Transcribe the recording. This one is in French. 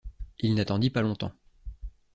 Il n’attendit pas longtemps.